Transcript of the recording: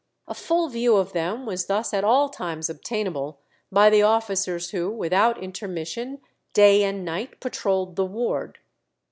A full view of them was thus at all times obtainable by the officers who, without intermission, day and night patrolled the ward.